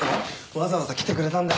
わざわざ来てくれたんだ。